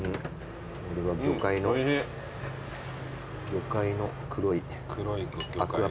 魚介の黒い。